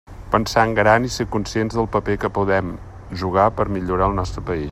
Pensar en gran i ser conscients del paper que podem jugar per a millorar el nostre país.